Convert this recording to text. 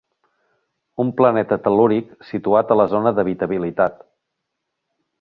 Un planeta tel·lúric situat a la zona d'habitabilitat.